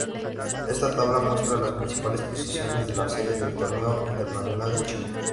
Esta tabla muestra las principales posiciones de las series del Torneo Internacional de Chile.